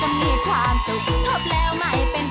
เหมือนถ้าล้อแท็กซี่ลงกลางทางไม่ไปต่อ